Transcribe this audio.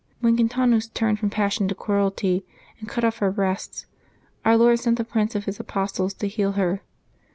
^' When Quin tanus turned from passion to cruelty, and cut off her breasts. Our Lord sent the Prince of His apostles to heal her.